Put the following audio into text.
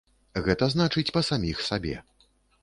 Гэта значыць, па саміх сабе.